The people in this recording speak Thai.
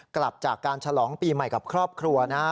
กลับจากการฉลองปีใหม่กับครอบครัวนะฮะ